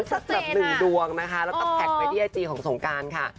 สักแบบหนึ่งดวงนะคะแล้วก็แท็กไปที่ไอจีของสงการค่ะ